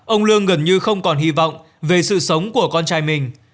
ông lương gần như không còn hy vọng về sự sống của con trai mình